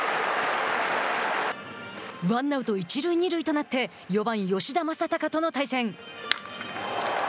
ワンアウト一塁二塁となって４番吉田正尚との対戦。